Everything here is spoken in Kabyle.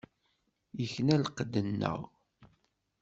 Ikna lqedd-nneɣ.